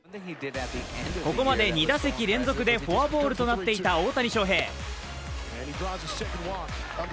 ここまで２打席連続でフォアボールとなっていた大谷翔平。